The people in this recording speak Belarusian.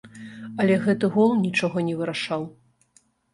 Але гэты гол нічога не вырашаў.